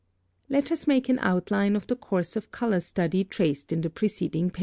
Let us make an outline of the course of color study traced in the preceding pages.